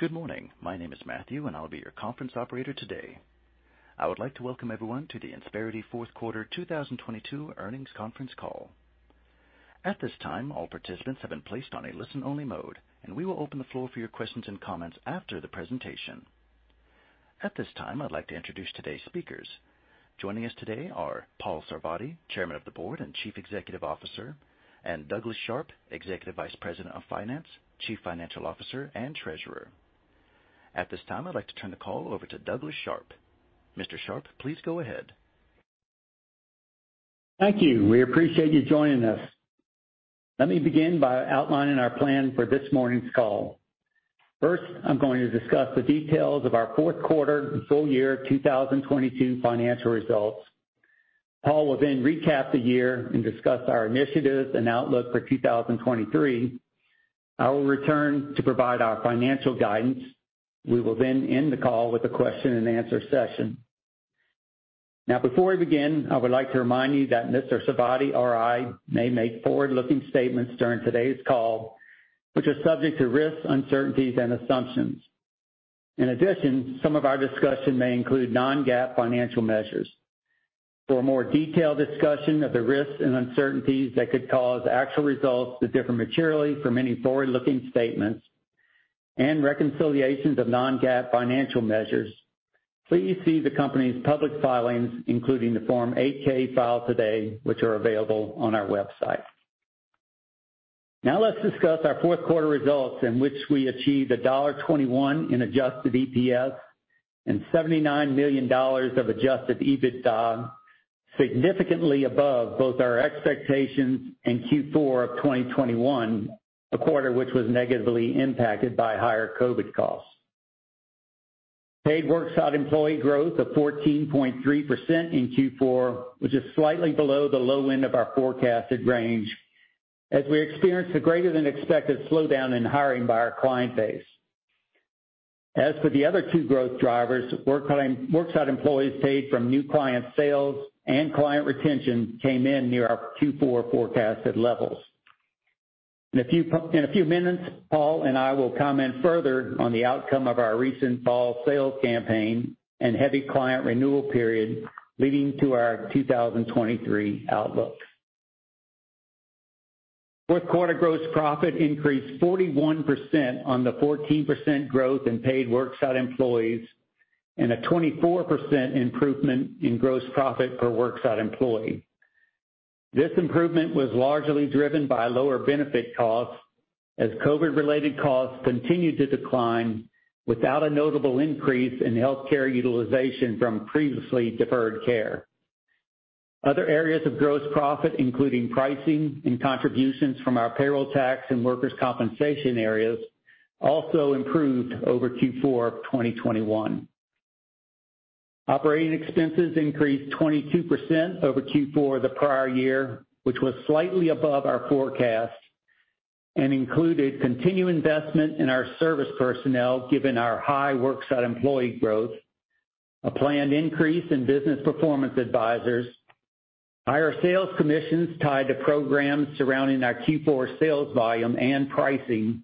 Good morning. My name is Matthew, and I'll be your conference operator today. I would like to welcome everyone to the Insperity fourth quarter 2022 earnings conference call. Joining us today are Paul Sarvadi, Chairman of the Board and Chief Executive Officer, and Douglas Sharp, Executive Vice President of Finance, Chief Financial Officer, and Treasurer. At this time, I'd like to turn the call over to Douglas Sharp. Mr. Sharp, please go ahead. Thank you. We appreciate you joining us. Let me begin by outlining our plan for this morning's call. First, I'm going to discuss the details of our fourth quarter and full year 2022 financial results. Paul will then recap the year and discuss our initiatives and outlook for 2023. I will return to provide our financial guidance. We will then end the call with a question-and-answer session. Before we begin, I would like to remind you that Mr. Sarvadi or I may make forward-looking statements during today's call, which are subject to risks, uncertainties and assumptions. In addition, some of our discussion may include non-GAAP financial measures. For a more detailed discussion of the risks and uncertainties that could cause actual results to differ materially from any forward-looking statements and reconciliations of non-GAAP financial measures, please see the company's public filings, including the Form 8-K filed today, which are available on our website. Let's discuss our fourth quarter results in which we achieved $1.21 in adjusted EPS and $79 million of adjusted EBITDA, significantly above both our expectations and Q4 of 2021, a quarter which was negatively impacted by higher COVID costs. Paid worksite employee growth of 14.3% in Q4, which is slightly below the low end of our forecasted range as we experienced a greater than expected slowdown in hiring by our client base. As for the other two growth drivers, worksite employees paid from new client sales and client retention came in near our Q4 forecasted levels. In a few minutes, Paul and I will comment further on the outcome of our recent fall sales campaign and heavy client renewal period leading to our 2023 outlook. Fourth quarter gross profit increased 41% on the 14% growth in paid worksite employees and a 24% improvement in gross profit per worksite employee. This improvement was largely driven by lower benefit costs as COVID-related costs continued to decline without a notable increase in healthcare utilization from previously deferred care. Other areas of gross profit, including pricing and contributions from our payroll tax and workers' compensation areas, also improved over Q4 of 2021. Operating expenses increased 22% over Q4 of the prior year, which was slightly above our forecast and included continued investment in our service personnel given our high worksite employee growth, a planned increase in Business Performance Advisors, higher sales commissions tied to programs surrounding our Q4 sales volume and pricing,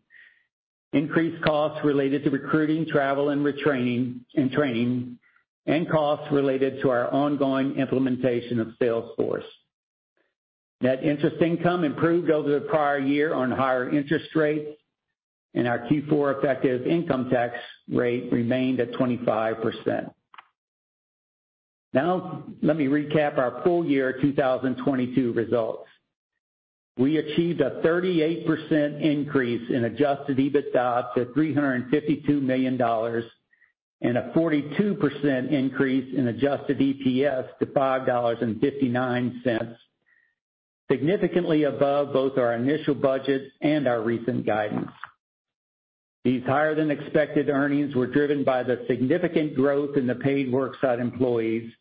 increased costs related to recruiting, travel, retraining and employee training, and costs related to our ongoing implementation of Salesforce. Net interest income improved over the prior year on higher interest rates, and our Q4 effective income tax rate remained at 25%. Let me recap our full year 2022 results. We achieved a 38% increase in adjusted EBITDA to $352 million and a 42% increase in adjusted EPS to $5.59, significantly above both our initial budget and our recent guidance. These higher than expected earnings were driven by the significant growth in the paid worksite employees,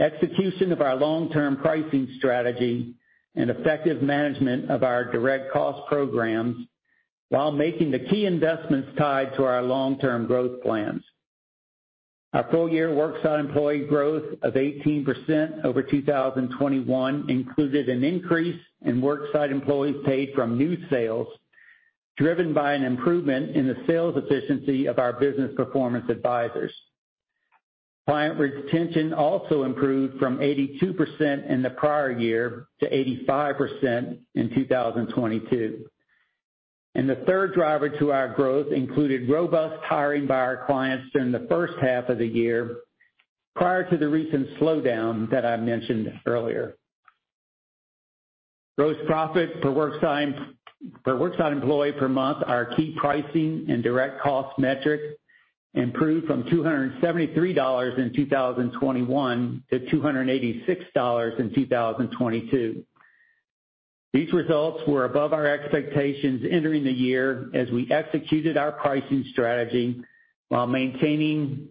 execution of our long-term pricing strategy, and effective management of our direct cost programs while making the key investments tied to our long-term growth plans. Our full year worksite employee growth of 18% over 2021 included an increase in worksite employees paid from new sales, driven by an improvement in the sales efficiency of our Business Performance Advisors. Client retention also improved from 82% in the prior year to 85% in 2022. The third driver to our growth included robust hiring by our clients during the first half of the year, prior to the recent slowdown that I mentioned earlier. Gross profit per worksite employee per month, our key pricing and direct cost metric improved from $273 in 2021 to $286 in 2022. These results were above our expectations entering the year as we executed our pricing strategy while managing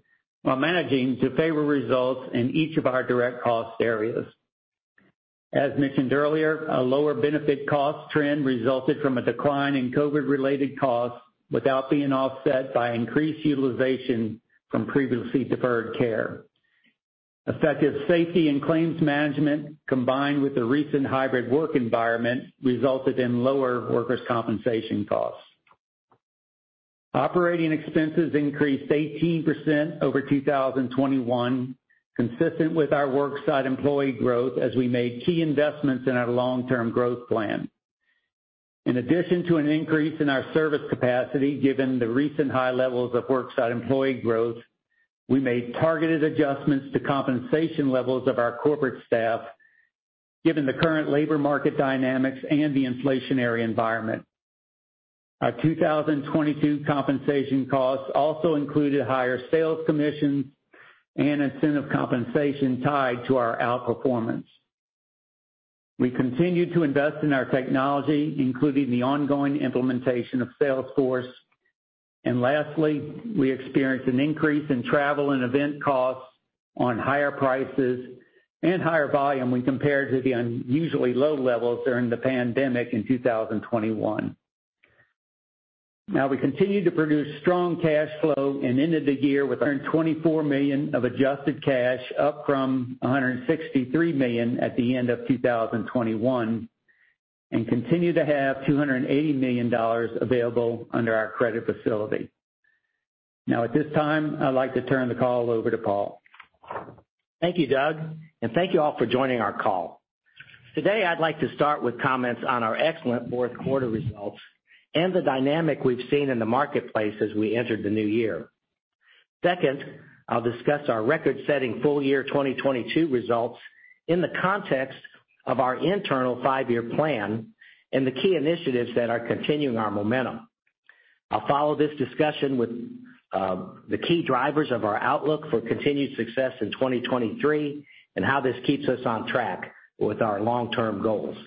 to favor results in each of our direct cost areas. As mentioned earlier, a lower benefit cost trend resulted from a decline in COVID related costs without being offset by increased utilization from previously deferred care. Effective safety and claims management, combined with the recent hybrid work environment, resulted in lower workers' compensation costs. Operating expenses increased 18% over 2021, consistent with our worksite employee growth as we made key investments in our long-term growth plan. In addition to an increase in our service capacity, given the recent high levels of worksite employee growth, we made targeted adjustments to compensation levels of our corporate staff, given the current labor market dynamics and the inflationary environment. Our 2022 compensation costs also included higher sales commissions and incentive compensation tied to our outperformance. We continued to invest in our technology, including the ongoing implementation of Salesforce. Lastly, we experienced an increase in travel and event costs on higher prices and higher volume when compared to the unusually low levels during the pandemic in 2021. We continue to produce strong cash flow and ended the year with $124 million of adjusted cash, down from $163 million at the end of 2021, and continue to have $280 million available under our credit facility. At this time, I'd like to turn the call over to Paul. Thank you, Doug, and thank you all for joining our call. Today I'd like to start with comments on our excellent fourth quarter results and the dynamic we've seen in the marketplace as we entered the new year. Second, I'll discuss our record-setting full year 2022 results in the context of our internal five-year plan and the key initiatives that are continuing our momentum. I'll follow this discussion with the key drivers of our outlook for continued success in 2023 and how this keeps us on track with our long-term goals.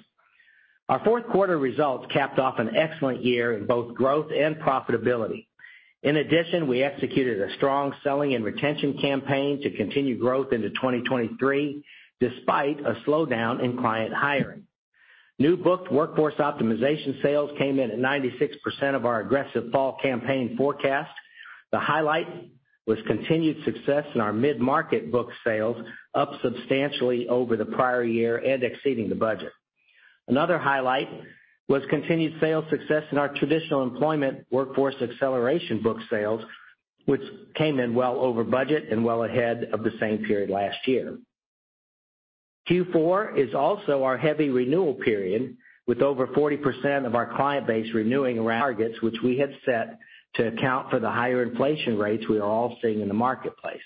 Our fourth quarter results capped off an excellent year in both growth and profitability. In addition, we executed a strong selling and retention campaign to continue growth into 2023 despite a slowdown in client hiring. New booked Workforce Optimization sales came in at 96% of our aggressive fall campaign forecast. The highlight was continued success in our mid-market book sales, up substantially over the prior year and exceeding the budget. Another highlight was continued sales success in our traditional employment Workforce Acceleration book sales, which came in well over budget and well ahead of the same period last year. Q4 is also our heavy renewal period with over 40% of our client base renewing around targets which we had set to account for the higher inflation rates we are all seeing in the marketplace.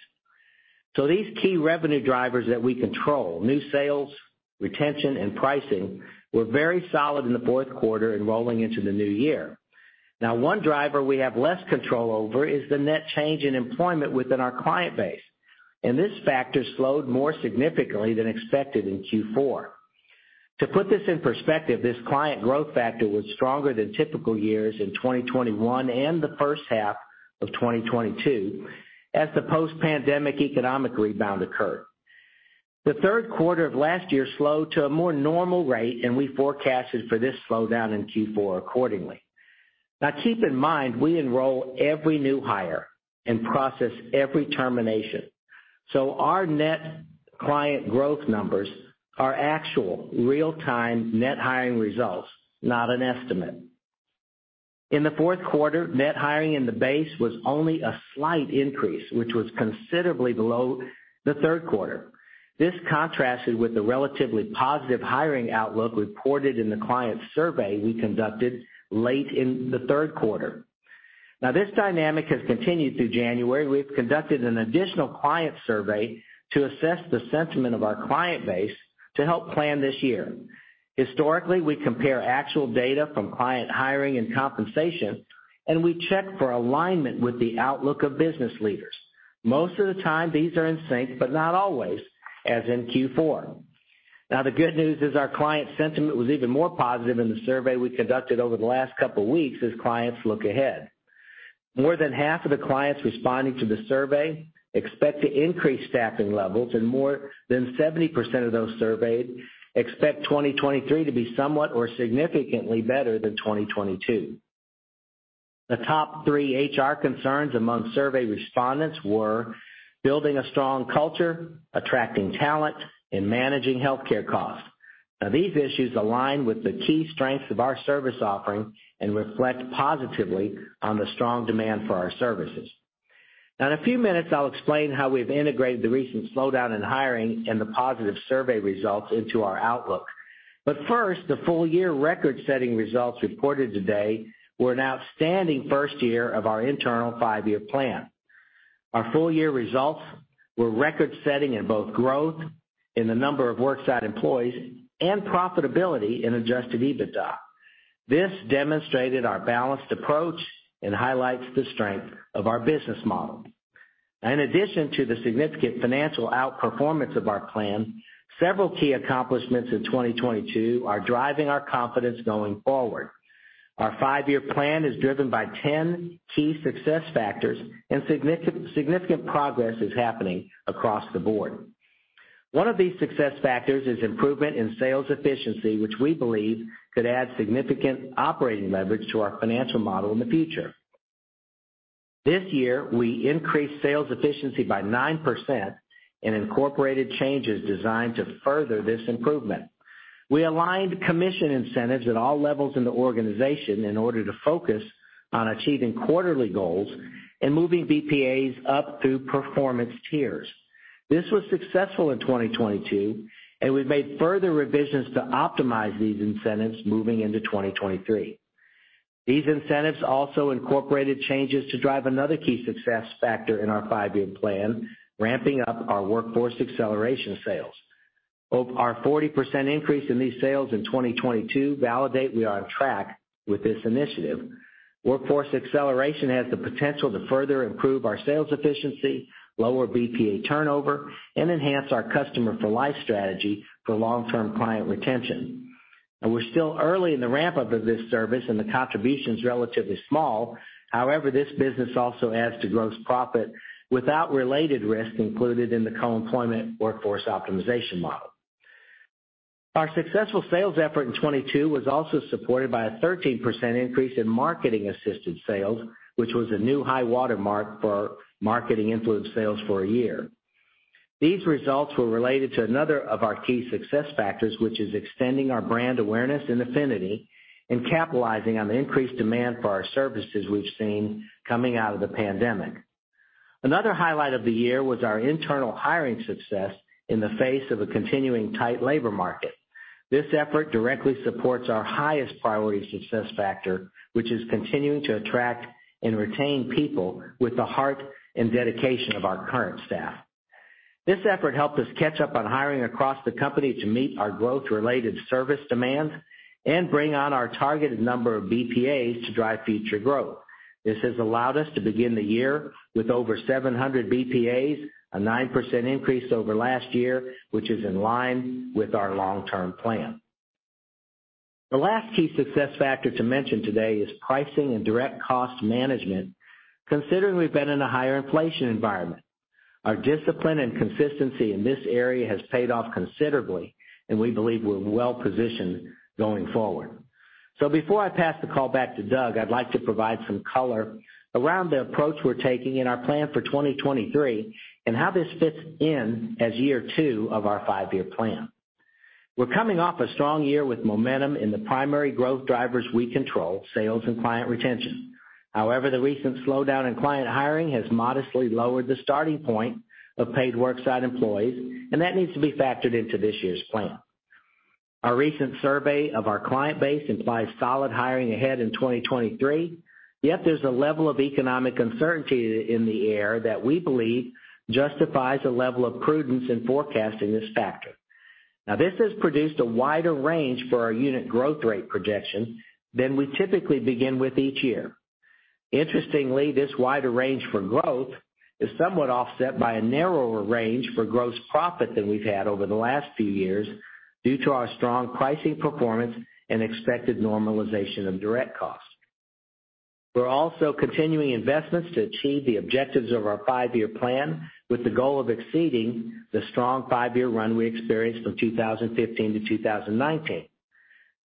These key revenue drivers that we control, new sales, retention, and pricing, were very solid in the fourth quarter and rolling into the new year. One driver we have less control over is the net change in employment within our client base, and this factor slowed more significantly than expected in Q4. To put this in perspective, this client growth factor was stronger than typical years in 2021 and the first half of 2022 as the post-pandemic economic rebound occurred. The third quarter of last year slowed to a more normal rate, we forecasted for this slowdown in Q4 accordingly. Keep in mind, we enroll every new hire and process every termination, our net client growth numbers are actual real-time net hiring results, not an estimate. In the fourth quarter, net hiring in the base was only a slight increase, which was considerably below the third quarter. This contrasted with the relatively positive hiring outlook reported in the client survey we conducted late in the third quarter. This dynamic has continued through January. We've conducted an additional client survey to assess the sentiment of our client base to help plan this year. Historically, we compare actual data from client hiring and compensation, and we check for alignment with the outlook of business leaders. Most of the time these are in sync, but not always, as in Q4. The good news is our client sentiment was even more positive in the survey we conducted over the last couple weeks as clients look ahead. More than half of the clients responding to the survey expect to increase staffing levels. More than 70% of those surveyed expect 2023 to be somewhat or significantly better than 2022. The top three HR concerns among survey respondents were building a strong culture, attracting talent, and managing healthcare costs. These issues align with the key strengths of our service offering and reflect positively on the strong demand for our services. In a few minutes, I'll explain how we've integrated the recent slowdown in hiring and the positive survey results into our outlook. First, the full year record-setting results reported today were an outstanding first year of our internal five-year plan. Our full year results were record-setting in both growth in the number of worksite employees and profitability in adjusted EBITDA. This demonstrated our balanced approach and highlights the strength of our business model. In addition to the significant financial outperformance of our plan, several key accomplishments in 2022 are driving our confidence going forward. Our five-year plan is driven by 10 key success factors and significant progress is happening across the board. One of these success factors is improvement in sales efficiency, which we believe could add significant operating leverage to our financial model in the future. This year, we increased sales efficiency by 9% and incorporated changes designed to further this improvement. We aligned commission incentives at all levels in the organization in order to focus on achieving quarterly goals and moving BPAs up through performance tiers. This was successful in 2022, and we've made further revisions to optimize these incentives moving into 2023. These incentives also incorporated changes to drive another key success factor in our five-year plan, ramping up our Workforce Acceleration sales. Our 40% increase in these sales in 2022 validates that we are on track with this initiative. Workforce Acceleration has the potential to further improve our sales efficiency, lower BPA turnover, and enhance our Customer for Life strategy for long-term client retention. We're still early in the ramp-up of this service, and the contribution is relatively small. However, this business also adds to gross profit without related risk included in the co-employment Workforce Optimization model. Our successful sales effort in 2022 was also supported by a 13% increase in marketing-assisted sales, which was a new high watermark for marketing influenced sales for a year. These results were related to another of our key success factors, which is extending our brand awareness and affinity and capitalizing on the increased demand for our services we've seen coming out of the pandemic. Another highlight of the year was our internal hiring success in the face of a continuing tight labor market. This effort directly supports our highest priority success factor, which is continuing to attract and retain people with the heart and dedication of our current staff. This effort helped us catch up on hiring across the company to meet our growth-related service demands and bring on our targeted number of BPAs to drive future growth. This has allowed us to begin the year with over 700 BPAs, a 9% increase over last year, which is in line with our long-term plan. The last key success factor to mention today is pricing and direct cost management, considering we've been in a higher inflation environment. Our discipline and consistency in this area has paid off considerably, and we believe we're well-positioned going forward. Before I pass the call back to Doug, I'd like to provide some color around the approach we're taking in our plan for 2023 and how this fits in as year two of our five-year plan. We're coming off a strong year with momentum in the primary growth drivers we control, sales and client retention. However, the recent slowdown in client hiring has modestly lowered the starting point of paid worksite employees, and that needs to be factored into this year's plan. Our recent survey of our client base implies solid hiring ahead in 2023. Yet there's a level of economic uncertainty in the air that we believe justifies a level of prudence in forecasting this factor. This has produced a wider range for our unit growth rate projections than we typically begin with each year. Interestingly, this wider range for growth is somewhat offset by a narrower range for gross profit than we've had over the last few years due to our strong pricing performance and expected normalization of direct costs. We're also continuing investments to achieve the objectives of our five-year plan with the goal of exceeding the strong five-year run we experienced from 2015 to 2019.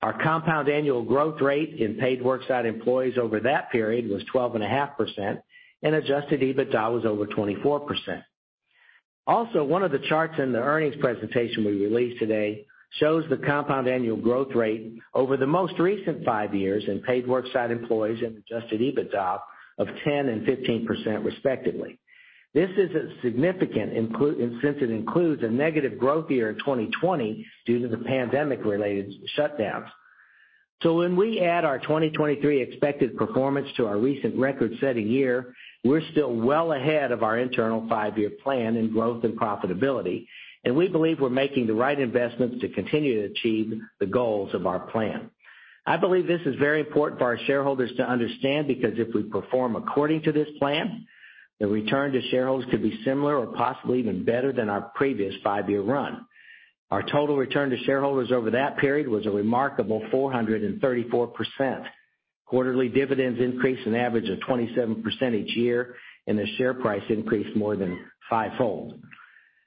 Our compound annual growth rate in paid worksite employees over that period was 12.5%, and adjusted EBITDA was over 24%. Also, one of the charts in the earnings presentation we released today shows the compound annual growth rate over the most recent five years in paid worksite employees and adjusted EBITDA of 10% and 15% respectively. This is significant since it includes a negative growth year in 2020 due to the pandemic-related shutdowns. When we add our 2023 expected performance to our recent record-setting year, we're still well ahead of our internal 5-year plan in growth and profitability, and we believe we're making the right investments to continue to achieve the goals of our plan. I believe this is very important for our shareholders to understand because if we perform according to this plan, the return to shareholders could be similar or possibly even better than our previous 5-year run. Our total return to shareholders over that period was a remarkable 434%. Quarterly dividends increased an average of 27% each year, and the share price increased more than fivefold.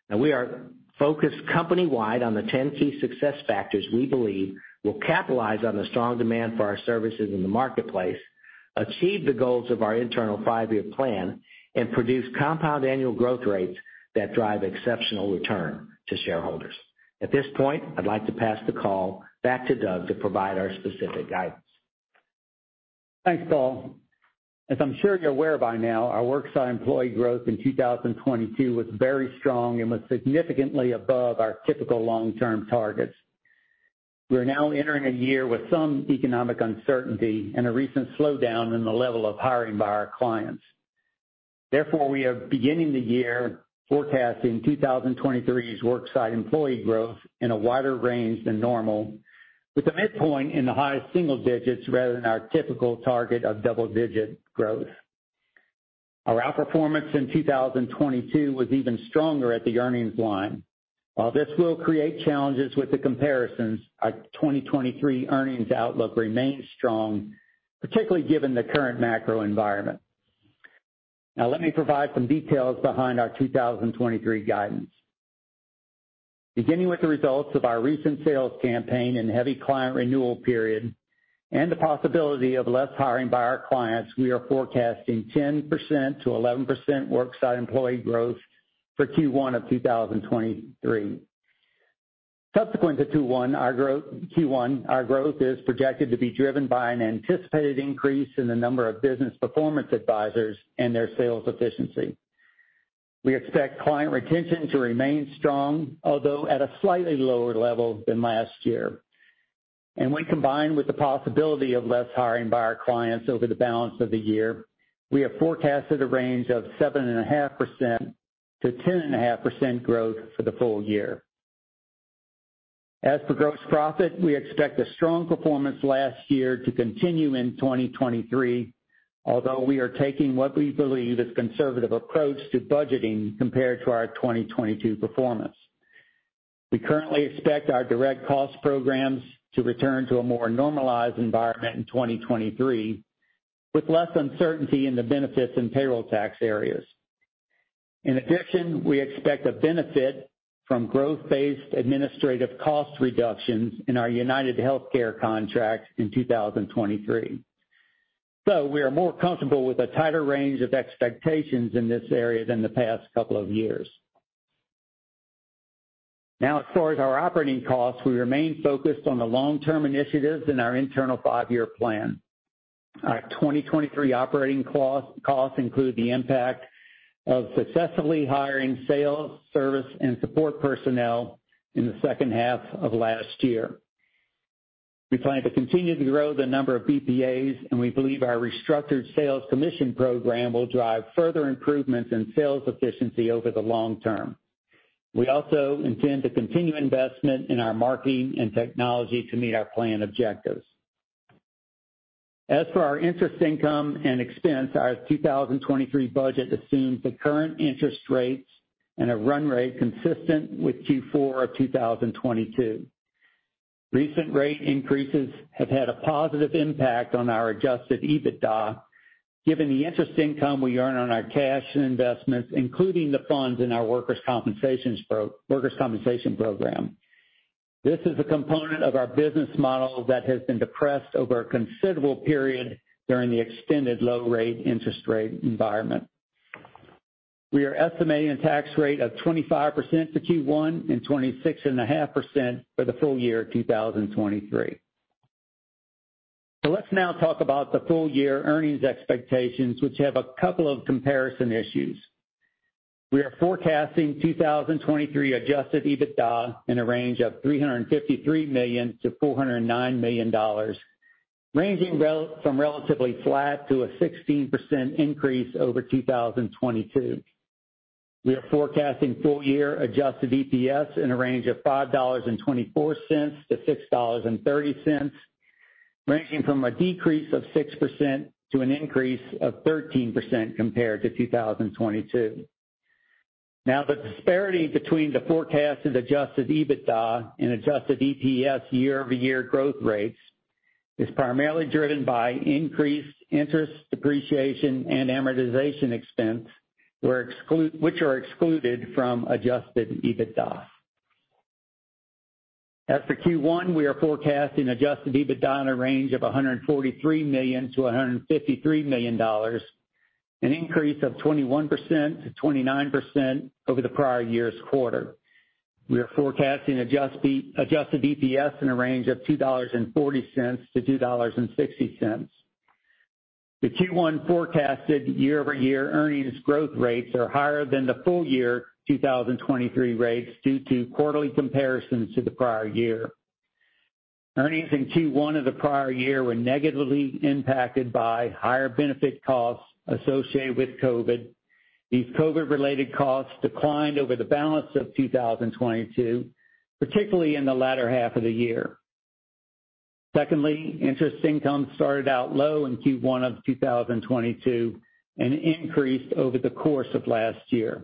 Now we are focused company-wide on the 10 key success factors we believe will capitalize on the strong demand for our services in the marketplace, achieve the goals of our internal 5-year plan, and produce compound annual growth rates that drive exceptional return to shareholders. At this point, I'd like to pass the call back to Doug to provide our specific guidance. Thanks, Paul. As I'm sure you're aware by now, our worksite employee growth in 2022 was very strong and was significantly above our typical long-term targets. We are now entering a year with some economic uncertainty and a recent slowdown in the level of hiring by our clients. We are beginning the year forecasting 2023's worksite employee growth in a wider range than normal, with the midpoint in the highest single digits rather than our typical target of double-digit growth. Our outperformance in 2022 was even stronger at the earnings line. While this will create challenges with the comparisons, our 2023 earnings outlook remains strong, particularly given the current macro environment. Let me provide some details behind our 2023 guidance. Beginning with the results of our recent sales campaign and heavy client renewal period and the possibility of less hiring by our clients, we are forecasting 10%-11% worksite employee growth for Q1 of 2023. Subsequent to Q1, our growth is projected to be driven by an anticipated increase in the number of Business Performance Advisors and their sales efficiency. We expect client retention to remain strong, although at a slightly lower level than last year, when combined with the possibility of less hiring by our clients over the balance of the year, we have forecasted a range of 7.5%-10.5% growth for the full year. For gross profit, we expect a strong performance last year to continue in 2023. We are taking what we believe is a conservative approach to budgeting compared to our 2022 performance. We currently expect our direct cost programs to return to a more normalized environment in 2023, with less uncertainty in the benefits and payroll tax areas. We expect a benefit from growth-based administrative cost reductions in our UnitedHealthcare contract in 2023. We are more comfortable with a tighter range of expectations in this area than the past couple of years. Regarding our operating costs, we remain focused on the long-term initiatives in our internal 5-year plan. Our 2023 operating costs include the impact of successfully hiring sales, service, and support personnel in the second half of last year. We plan to continue to grow the number of BPAs, and we believe our restructured sales commission program will drive further improvements in sales efficiency over the long term. We also intend to continue investment in our marketing and technology to meet our plan objectives. As for our interest income and expense, our 2023 budget assumes the current interest rates and a run rate consistent with Q4 of 2022. Recent rate increases have had a positive impact on our adjusted EBITDA, given the interest income we earn on our cash and investments, including the funds in our workers compensation program. This is a component of our business model that has been depressed over a considerable period during the extended low-interest-rate environment. We are estimating a tax rate of 25% for Q1 and 26.5% for the full year 2023. Let's now talk about the full year earnings expectations, which have a couple of comparison issues. We are forecasting 2023 adjusted EBITDA in a range of $353 million-$409 million, ranging from relatively flat to a 16% increase over 2022. We are forecasting full year adjusted EPS in a range of $5.24-$6.30, ranging from a decrease of 6% to an increase of 13% compared to 2022. The disparity between the forecasted adjusted EBITDA and adjusted EPS year-over-year growth rates is primarily driven by increased interest, depreciation, and amortization expense. These are excluded from adjusted EBITDA. For Q1, we are forecasting adjusted EBITDA in a range of $143 million-$153 million, an increase of 21%-29% over the prior year's quarter. We are forecasting adjusted EPS in a range of $2.40-$2.60. The Q1 forecasted year-over-year earnings growth rates are higher than the full year 2023 rates due to quarterly comparisons to the prior year. Earnings in Q1 of the prior year were negatively impacted by higher benefit costs associated with COVID. These COVID-related costs declined over the balance of 2022, particularly in the latter half of the year. Interest income started out low in Q1 of 2022 and increased over the course of last year.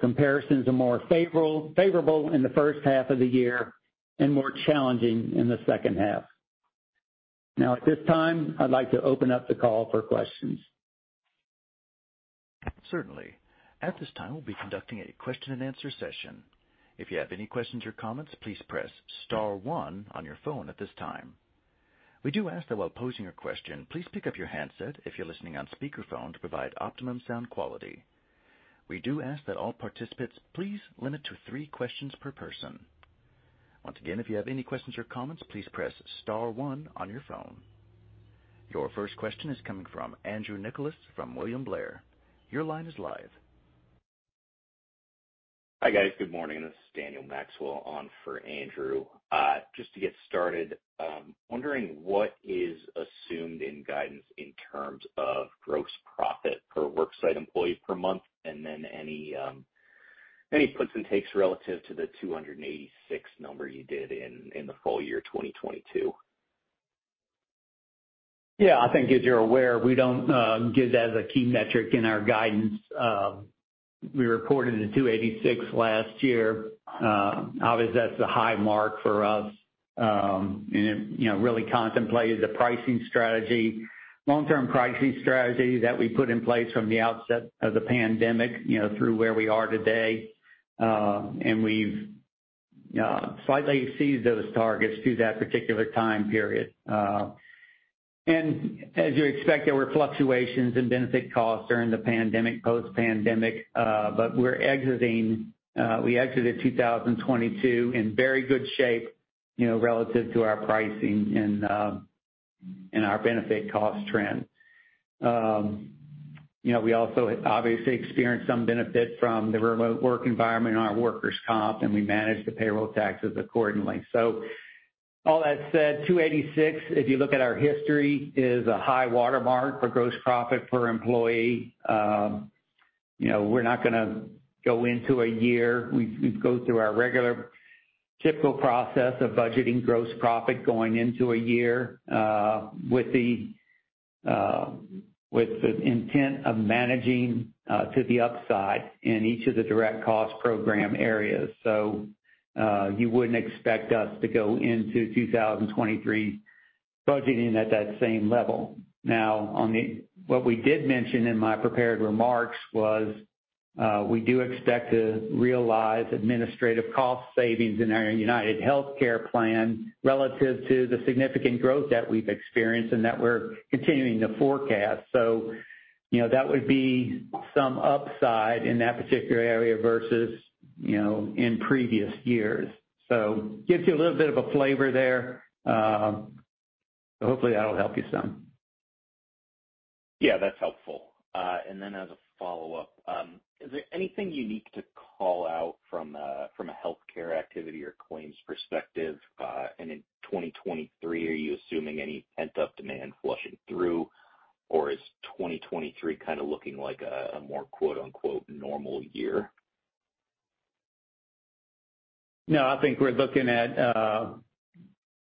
Comparisons are more favorable in the first half of the year and more challenging in the second half. At this time, I'd like to open up the call for questions. Your first question is coming from Andrew Nicholas from William Blair. Your line is live. Hi, guys. Good morning. This is Daniel Maxwell on for Andrew. Just to get started, wondering what is assumed in guidance in terms of gross profit per worksite employee per month, and then any puts and takes relative to the $286 number you did in the full year 2022? Yeah, I think as you're aware, we don't give that as a key metric in our guidance. We reported the $286 last year. Obviously that's the high mark for us. It, you know, really contemplated the pricing strategy, long-term pricing strategy that we put in place from the outset of the pandemic, you know, through where we are today. We've slightly exceeded those targets through that particular time period. As you expect, there were fluctuations in benefit costs during the pandemic, post-pandemic, but we're exiting, we exited 2022 in very good shape, you know, relative to our pricing and our benefit cost trend. You know, we also obviously experienced some benefit from the remote work environment on our workers' comp, and we managed the payroll taxes accordingly. All that said, 286, if you look at our history, is a high watermark for gross profit per employee. You know, we're not gonna go into a year. We go through our regular typical process of budgeting gross profit going into a year, with the intent of managing to the upside in each of the direct cost program areas. You wouldn't expect us to go into 2023 budgeting at that same level. Now, what we did mention in my prepared remarks was, we do expect to realize administrative cost savings in our UnitedHealthcare plan relative to the significant growth that we've experienced and that we're continuing to forecast. You know, that would be some upside in that particular area versus, you know, in previous years. Gives you a little bit of a flavor there. Hopefully that'll help you some. Yeah, that's helpful. As a follow-up, is there anything unique to call out from a healthcare activity or claims perspective? In 2023, are you assuming any pent-up demand flushing through, or is 2023 kinda looking like a more, quote-unquote, "normal year"? I think we're looking at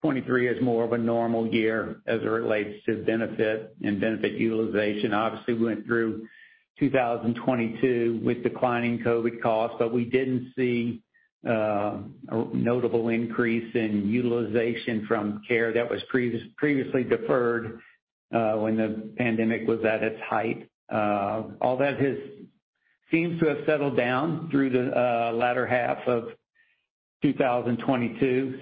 23 as more of a normal year as it relates to benefit and benefit utilization. Obviously, we went through 2022 with declining COVID costs, but we didn't see a notable increase in utilization from care that was previously deferred when the pandemic was at its height. All that seems to have settled down through the latter half of 2022.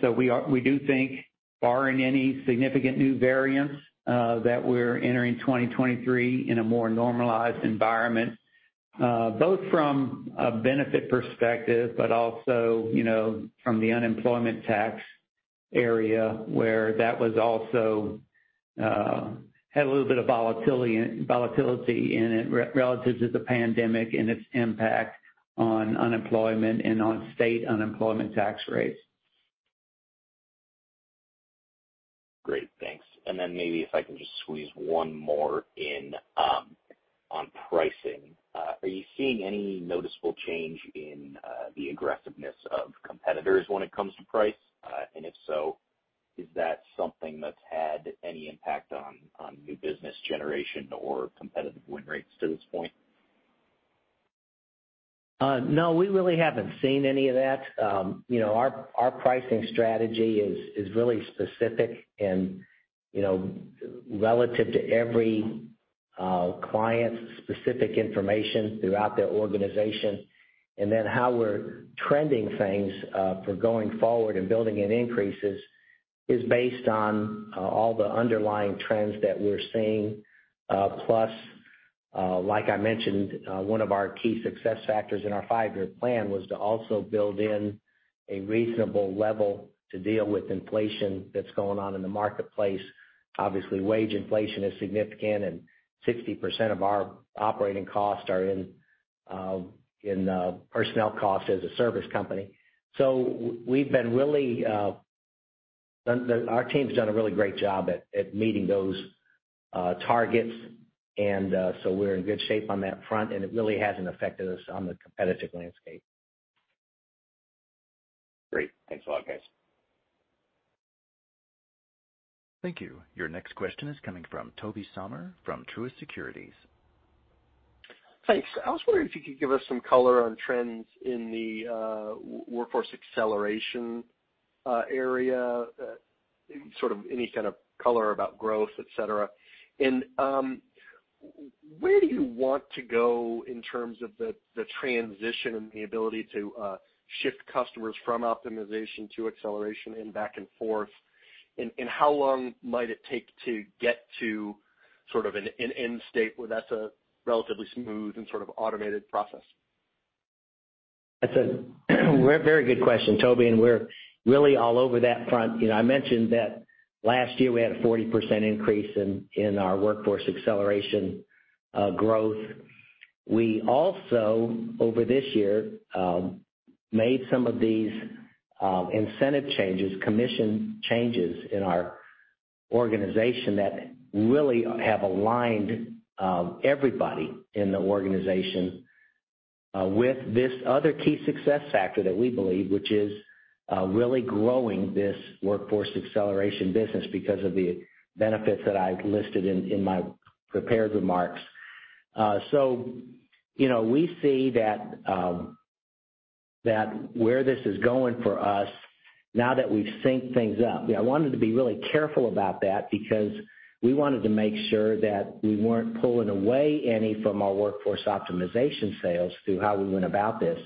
We do think barring any significant new variants, that we're entering 2023 in a more normalized environment, both from a benefit perspective, but also, you know, from the unemployment tax area where that was also had a little bit of volatility in it relative to the pandemic and its impact on unemployment and on state unemployment tax rates. Great. Thanks. Then maybe if I can just squeeze one more in, on pricing. Are you seeing any noticeable change in the aggressiveness of competitors when it comes to price? If so, is that something that's had any impact on new business generation or competitive win rates to this point? No, we really haven't seen any of that. You know, our pricing strategy is really specific and, you know, relative to every client's specific information throughout their organization. Then how we're trending things for going forward and building in increases is based on all the underlying trends that we're seeing. Plus, like I mentioned, one of our key success factors in our five-year plan was to also build in a reasonable level to deal with inflation that's going on in the marketplace. Obviously, wage inflation is significant. 60% of our operating costs are in personnel costs as a service company. We've been really... Our team's done a really great job at meeting those targets. We're in good shape on that front. It really hasn't affected us on the competitive landscape. Great. Thanks a lot, guys. Thank you. Your next question is coming from Tobey Sommer from Truist Securities. Thanks. I was wondering if you could give us some color on trends in the Workforce Acceleration area, sort of any kind of color about growth, et cetera. Where do you want to go in terms of the transition and the ability to shift customers from Workforce Optimization to Workforce Acceleration and back and forth? How long might it take to get to sort of an end state where that's a relatively smooth and sort of automated process? That's a very good question, Tobey. We're really all over that front. You know, I mentioned that last year we had a 40% increase in our Workforce Acceleration growth. We also, over this year, made some of these incentive changes, commission changes in our organization that really have aligned everybody in the organization with this other key success factor that we believe, which is really growing this Workforce Acceleration business because of the benefits that I listed in my prepared remarks. You know, we see that where this is going for us now that we've synced things up. Yeah, I wanted to be really careful about that because we wanted to make sure that we weren't pulling away any from our Workforce Optimization sales through how we went about this.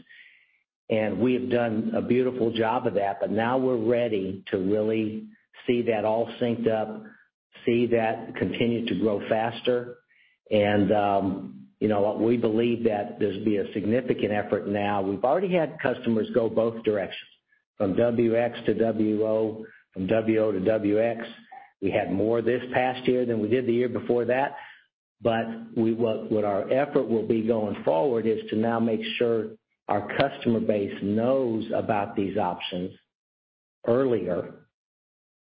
We have done a beautiful job of that. Now we're ready to really see that all synced up, see that continue to grow faster. You know, we believe that this will be a significant effort now. We've already had customers go both directions, from WX to WO, from WO to WX. We had more this past year than we did the year before that. What our effort will be going forward is to now make sure our customer base knows about these options earlier,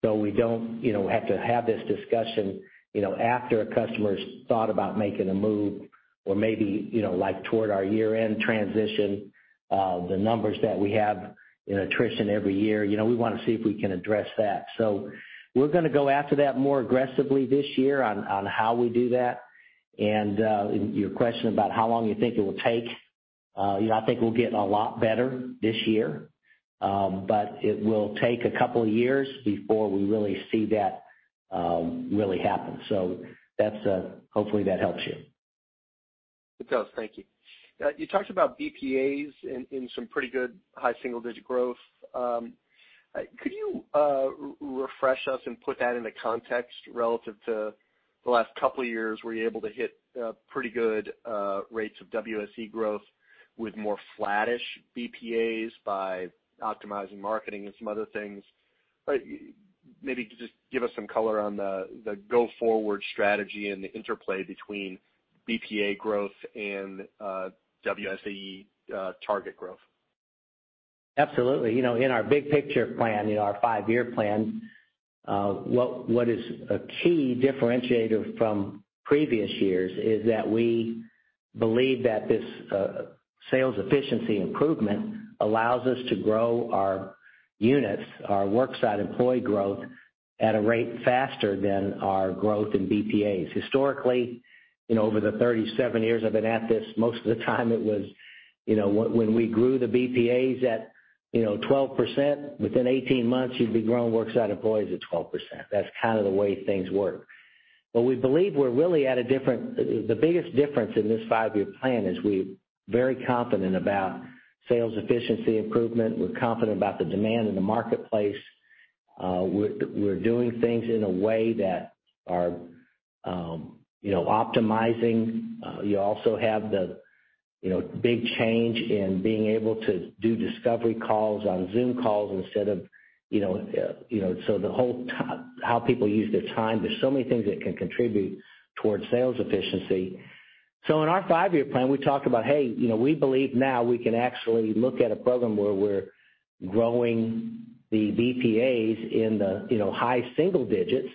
so we don't, you know, have to have this discussion, you know, after a customer's thought about making a move or maybe, you know, like, toward our year-end transition, the numbers that we have in attrition every year. You know, we wanna see if we can address that. We're gonna go after that more aggressively this year on how we do that. Your question about how long you think it will take, you know, I think we'll get a lot better this year. It will take a couple of years before we really see that really happen. That's. Hopefully that helps you. It does. Thank you. You talked about BPAs in some pretty good high single-digit growth. Could you refresh us and put that into context relative to the last couple of years, were you able to hit pretty good rates of WSE growth with more flattish BPAs by optimizing marketing and some other things? Maybe just give us some color on the go-forward strategy and the interplay between BPA growth and WSE target growth. Absolutely. You know, in our big picture plan, in our five-year plan, what is a key differentiator from previous years is that we believe that this sales efficiency improvement allows us to grow our units, our worksite employee growth at a rate faster than our growth in BPAs. Historically, you know, over the 37 years I've been at this, most of the time it was, you know, when we grew the BPAs at, you know, 12%, within 18 months, you'd be growing worksite employees at 12%. That's kind of the way things work. We believe we're really at a different. The biggest difference in this five-year plan is we're very confident about sales efficiency improvement. We're confident about the demand in the marketplace. We're doing things in a way that are, you know, optimizing. You also have the, you know, big change in being able to do discovery calls on Zoom calls instead of, you know, you know, so the whole how people use their time. There's so many things that can contribute towards sales efficiency. In our five-year plan, we talked about, hey, you know, we believe now we can actually look at a program where we're growing the BPAs in the, you know, high single digits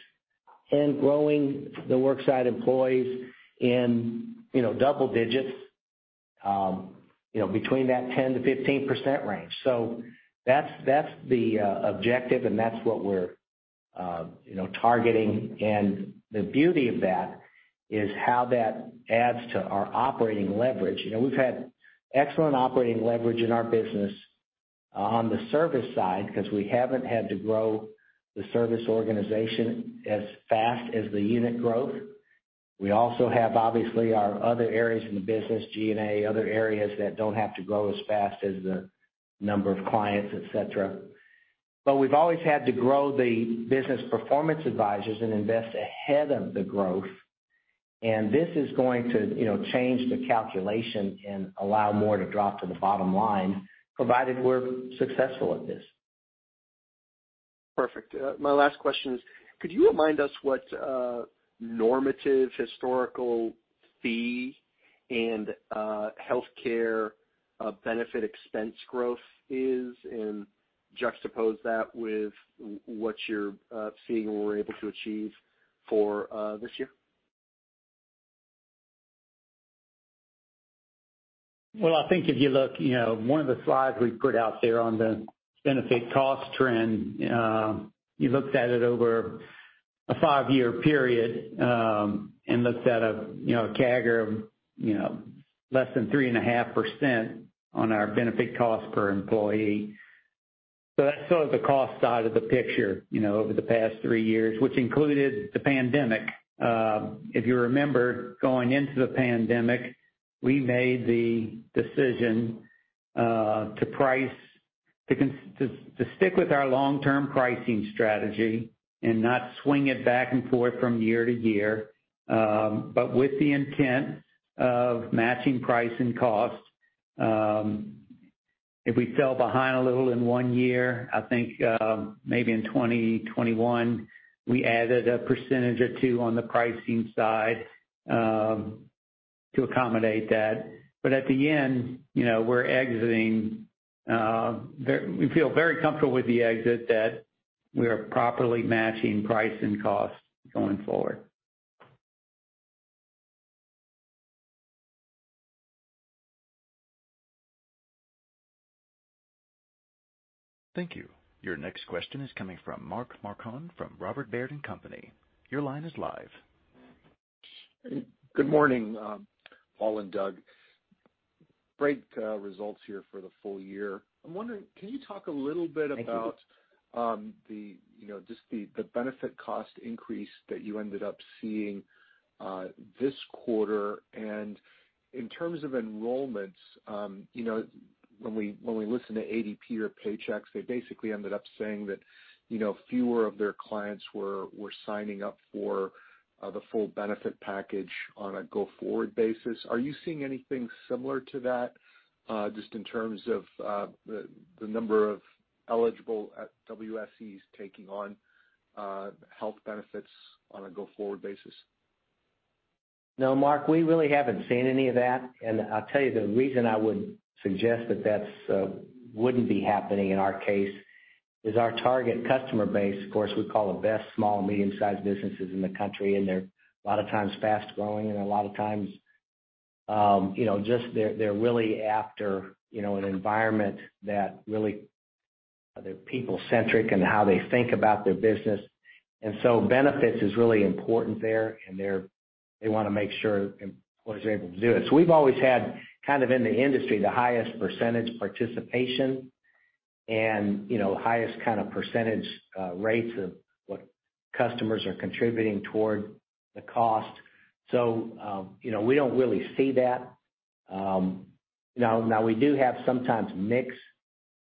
and growing the worksite employees in, you know, double digits, you know, between that 10%-15% range. That's, that's the objective, and that's what we're, you know, targeting. The beauty of that is how that adds to our operating leverage. You know, we've had excellent operating leverage in our business on the service side 'cause we haven't had to grow the service organization as fast as the unit growth. We also have, obviously, our other areas in the business, G&A, other areas that don't have to grow as fast as the number of clients, et cetera. We've always had to grow the Business Performance Advisors and invest ahead of the growth. This is going to, you know, change the calculation and allow more to drop to the bottom line, provided we're successful at this. Perfect. My last question is, could you remind us what a normative historical fee and healthcare benefit expense growth is and juxtapose that with what you're seeing and we're able to achieve for this year? Well, I think if you look, you know, one of the slides we put out there on the benefit cost trend, you looked at it over a 5-year period and looked at a, you know, CAGR of, you know, less than 3.5% on our benefit cost per employee. That's sort of the cost side of the picture, you know, over the past 3 years, which included the pandemic. If you remember, going into the pandemic, we made the decision to price, to stick with our long-term pricing strategy and not swing it back and forth from year to year, with the intent of matching price and cost. If we fell behind a little in 1 year, I think, maybe in 2021, we added 1% or 2% on the pricing side, to accommodate that. At the end, you know, we're exiting, we feel very comfortable with the exit that we are properly matching price and cost going forward. Thank you. Your next question is coming from Mark Marcon from Robert W. Baird & Co. Good morning, Paul and Doug. Great results here for the full year. I'm wondering, can you talk a little bit. Thank you. the, you know, just the benefit cost increase that you ended up seeing this quarter. In terms of enrollments, you know, when we listen to ADP or Paychex, they basically ended up saying that, you know, fewer of their clients were signing up for the full benefit package on a go-forward basis. Are you seeing anything similar to that, just in terms of the number of eligible at WSEs taking on health benefits on a go-forward basis? No, Mark, we really haven't seen any of that. I'll tell you the reason I would suggest that this wouldn't be happening in our case is our target customer base, of course, we call the best small and medium-sized businesses in the country, and they're a lot of times fast-growing and a lot of times, you know, just they're really after, you know, an environment that really, they're people-centric in how they think about their business. Benefits is really important there, and they wanna make sure employees are able to do it. We've always had kind of in the industry the highest participation rate and, you know, highest kind of %, rates of what customers are contributing toward the cost. You know, we don't really see that. Now, now we do have sometimes mix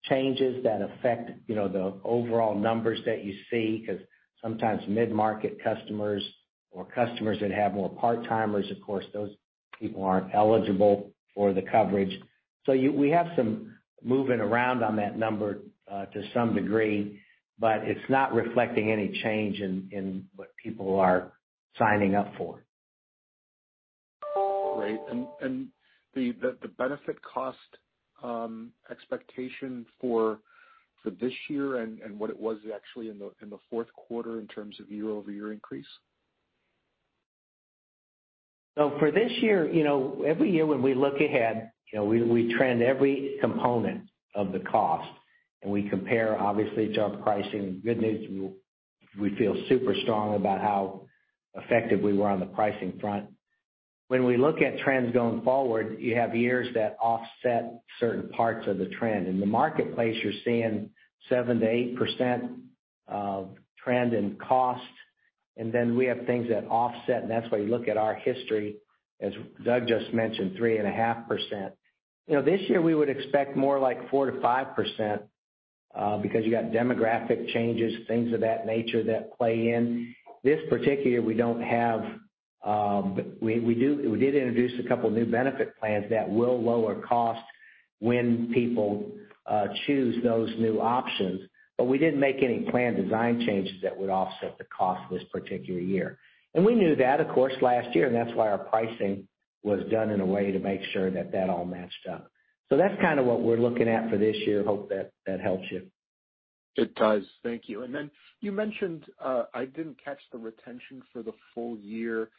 changes that affect, you know, the overall numbers that you see 'cause sometimes mid-market customers or customers that have more part-timers, of course, those people aren't eligible for the coverage. We have some moving around on that number to some degree, but it's not reflecting any change in what people are signing up for. Great. The benefit cost expectation for this year and what it was actually in the fourth quarter in terms of year-over-year increase? For this year, you know, every year when we look ahead, you know, we trend every component of the cost, and we compare obviously to our pricing. Good news, we feel super strong about how effective we were on the pricing front. When we look at trends going forward, you have years that offset certain parts of the trend. In the marketplace, you're seeing 7%-8% trend in cost, and then we have things that offset, and that's why you look at our history, as Doug just mentioned, three and a half percent. You know, this year we would expect more like 4%-5% because you got demographic changes, things of that nature that play in. This particular year, we don't have, we did introduce a couple new benefit plans that will lower costs when people choose those new options, but we didn't make any plan design changes that would offset the cost this particular year. We knew that, of course, last year, and that's why our pricing was done in a way to make sure that that all matched up. That's kinda what we're looking at for this year. Hope that that helps you. It does. Thank you. You mentioned, I didn't catch the retention for the full year,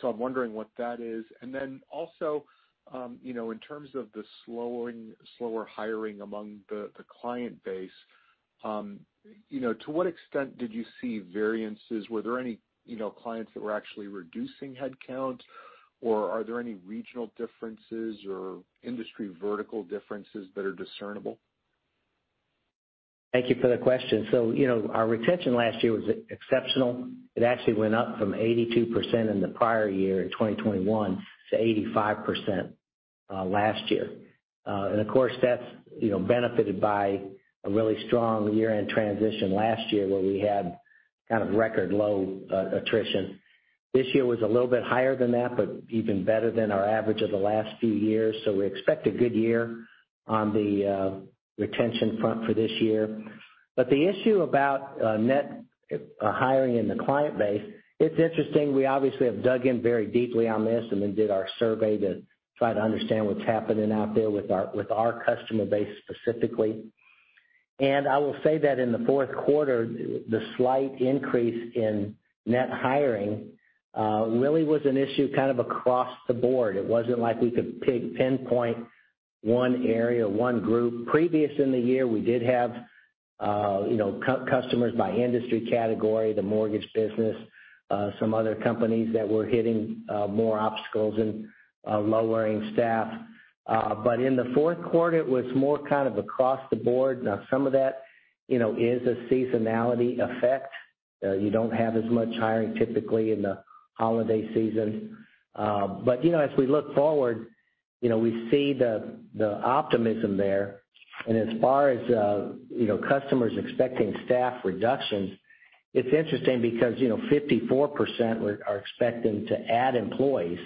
so I'm wondering what that is. Also, you know, in terms of the slowing, slower hiring among the client base, you know, to what extent did you see variances? Were there any, you know, clients that were actually reducing headcount, or are there any regional differences or industry vertical differences that are discernible? Thank you for the question. You know, our retention last year was exceptional. It actually went up from 82% in the prior year in 2021 to 85% last year. Of course, that's, you know, benefited by a really strong year-end transition last year where we had kind of record low attrition. This year was a little bit higher than that, but even better than our average of the last few years. We expect a good year on the retention front for this year. The issue about net hiring in the client base, it's interesting. We obviously have dug in very deeply on this and then did our survey to try to understand what's happening out there with our, with our customer base specifically. I will say that in the fourth quarter, the slight increase in net hiring, really was an issue kind of across the board. It wasn't like we could pinpoint one area, one group. Previous in the year we did have, you know, customers by industry category, the mortgage business, some other companies that were hitting, more obstacles in lowering staff. In the fourth quarter, it was more kind of across the board. Now some of that, you know, is a seasonality effect. You don't have as much hiring typically in the holiday season. As we look forward, you know, we see the optimism there. As far as, you know, customers expecting staff reductions, it's interesting because, you know, 54% are expecting to add employees,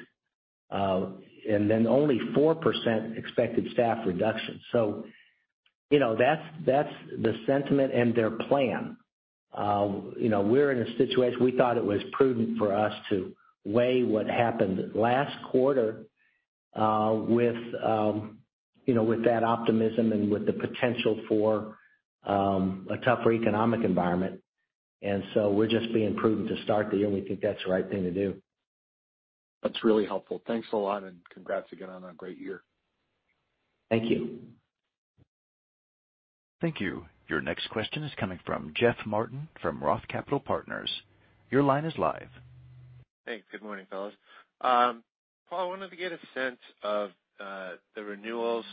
and then only 4% expected staff reductions. You know, that's the sentiment and their plan. You know, we're in a situation, we thought it was prudent for us to weigh what happened last quarter, with, you know, with that optimism and with the potential for a tougher economic environment. We're just being prudent to start the year, and we think that's the right thing to do. That's really helpful. Thanks a lot, and congrats again on a great year. Thank you. Thank you. Your next question is coming from Jeff Martin from Roth Capital Partners. Hey, good morning, fellas. Paul, I wanted to get a sense of the renewals.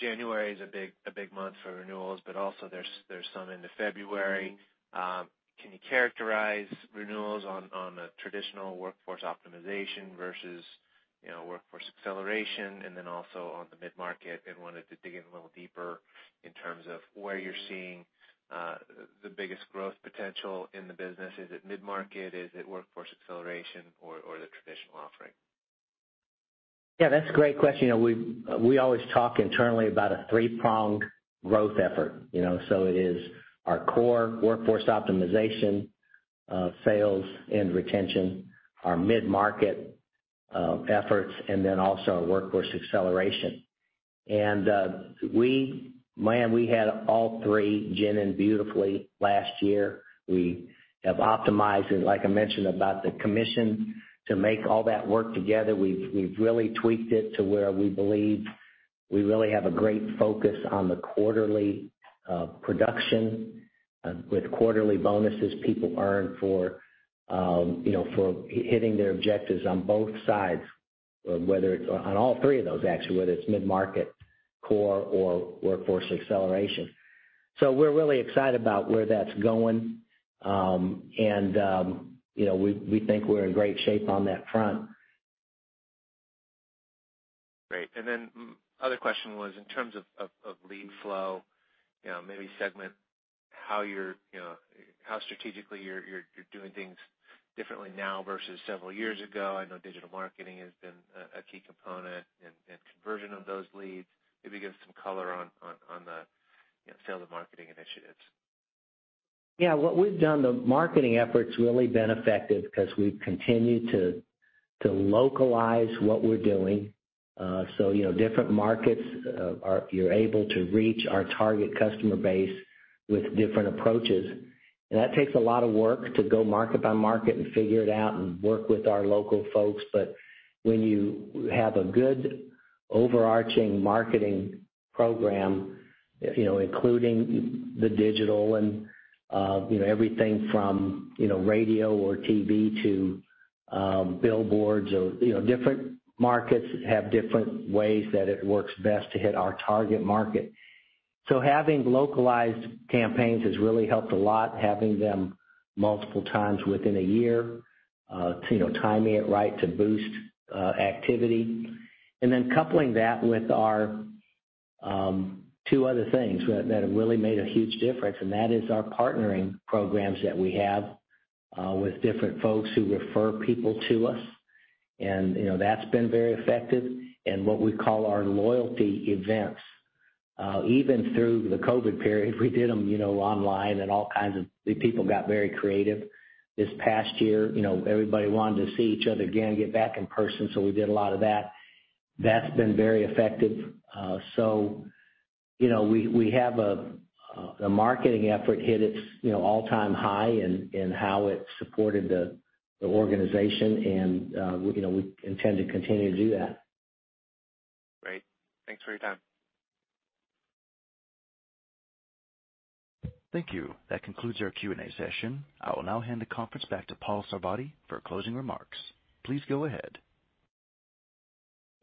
January is a big month for renewals, but also there's some into February. Can you characterize renewals on the traditional Workforce Optimization versus, you know, Workforce Acceleration and then also on the mid-market? Wanted to dig in a little deeper in terms of where you're seeing the biggest growth potential in the business. Is it mid-market? Is it Workforce Acceleration or the traditional offering? Yeah, that's a great question. You know, we always talk internally about a three-pronged growth effort, you know. It is our core Workforce Optimization sales and retention, our mid-market efforts, and then also our Workforce Acceleration. Man, we had all three generating beautifully last year. We have optimized and like I mentioned about the commission to make all that work together. We've really tweaked it to where we believe we really have a great focus on the quarterly production with quarterly bonuses people earn for, you know, for hitting their objectives on both sides, whether it's... On all three of those, actually, whether it's mid-market, core or Workforce Acceleration. We're really excited about where that's going, and, you know, we think we're in great shape on that front. Great. Other question was in terms of lead flow, you know, maybe segment how you're, you know, how strategically you're doing things differently now versus several years ago. I know digital marketing has been a key component and conversion of those leads. Maybe give some color on the, you know, sales and marketing initiatives. Yeah. What we've done, the marketing efforts really been effective 'cause we've continued to localize what we're doing. You know, different markets are, you're able to reach our target customer base with different approaches. That takes a lot of work to go market by market and figure it out and work with our local folks. When you have a good overarching marketing program, you know, including the digital and, you know, everything from, you know, radio or TV to billboards or, you know, different markets have different ways that it works best to hit our target market. Having localized campaigns has really helped a lot, having them multiple times within a year, to, you know, timing it right to boost activity. Coupling that with our two other things that have really made a huge difference, and that is our partnering programs that we have with different folks who refer people to us. You know, that's been very effective and what we call our loyalty events. Through the COVID period, we did them, you know, online and all kinds of. The people got very creative this past year. You know, everybody wanted to see each other again, get back in person, so we did a lot of that. That's been very effective. You know, we have the marketing effort hit its, you know, all-time high in how it supported the organization and, you know, we intend to continue to do that. Great. Thanks for your time. I will now hand the conference back to Paul Sarvadi for closing remarks. Please go ahead.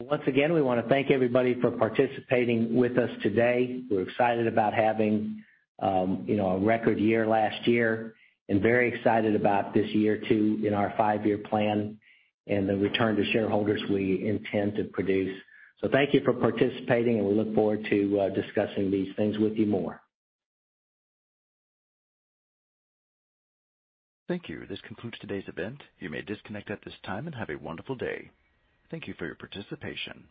Once again, we want to thank everybody for participating with us today. We're excited about having, you know, a record year last year, and very excited about this year too in our five-year plan and the return to shareholders we intend to produce. Thank you for participating, and we look forward to discussing these things with you more. Thank you. This concludes today's event. You may disconnect at this time and have a wonderful day. Thank you for your participation.